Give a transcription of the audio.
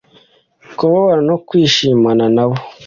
kubabara no kwishimana nabo